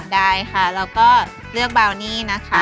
ได้ค่ะแล้วก็เลือกเบาเนี่ยนะคะ